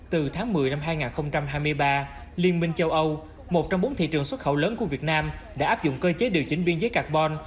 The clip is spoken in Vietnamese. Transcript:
từ tháng một mươi năm hai nghìn hai mươi ba liên minh châu âu một trong bốn thị trường xuất khẩu lớn của việt nam đã áp dụng cơ chế điều chỉnh biên giới carbon